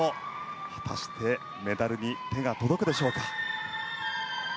果たしてメダルに手が届くでしょうか。